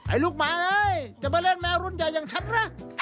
ลูกหมาเอ้ยจะมาเล่นแมวรุ่นใหญ่อย่างฉันนะ